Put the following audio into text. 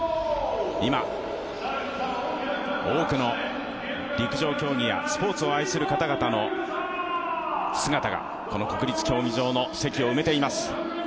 今、多くの陸上競技やスポーツを愛する方々の姿がこの国立競技場の席を埋めています。